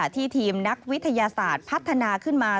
ทีมนักวิทยาศาสตร์พัฒนาขึ้นมา